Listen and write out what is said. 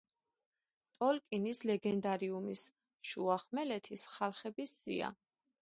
ტოლკინის ლეგენდარიუმის, შუახმელეთის ხალხების სია.